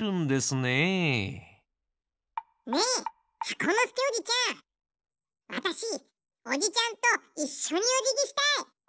ねえ箱のすけおじちゃんわたしおじちゃんといっしょにおじぎしたい！